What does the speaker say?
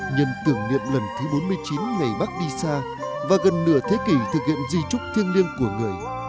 nhân tưởng niệm lần thứ bốn mươi chín ngày bác đi xa và gần nửa thế kỷ thực hiện di trúc thiêng liêng của người